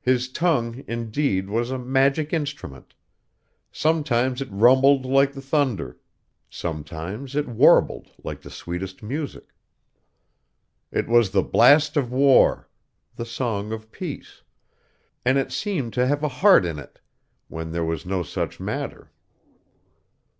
His tongue, indeed, was a magic instrument: sometimes it rumbled like the thunder; sometimes it warbled like the sweetest music. It was the blast of war the song of peace; and it seemed to have a heart in it, when there was no such matter.